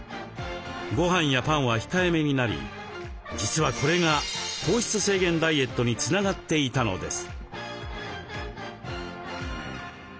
ごはんやパンは控えめになり実はこれが糖質制限ダイエットにつながっていたのです。